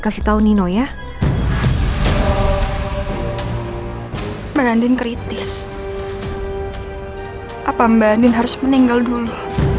apa mbak andin harus meninggal dulu